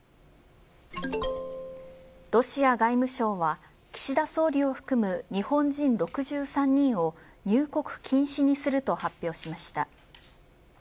ロシア外務省は岸田総理を含む日本人６３人を入国禁止にすると発表しました。